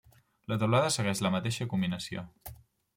La teulada segueix la mateixa combinació.